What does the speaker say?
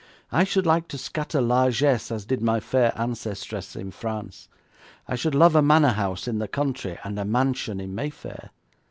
I should like to scatter largesse as did my fair ancestress in France. I should love a manor house in the country, and a mansion in Mayfair.